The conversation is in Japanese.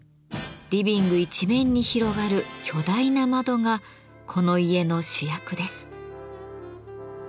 リビング一面に広がる巨大な窓がこの家の主役です。